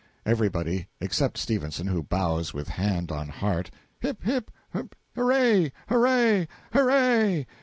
EVERYBODY. (Except Stephenson, who bows with hand on heart) Hip hip hip: hurrah, hurrah, hurrah!